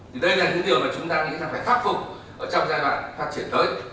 thì đây là những điều mà chúng ta nghĩ là phải khắc phục ở trong giai đoạn phát triển tới